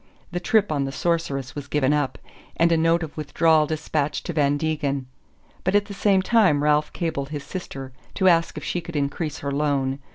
The trip on the Sorceress was given up, and a note of withdrawal despatched to Van Degen; but at the same time Ralph cabled his sister to ask if she could increase her loan.